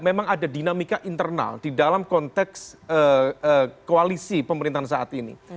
memang ada dinamika internal di dalam konteks koalisi pemerintahan saat ini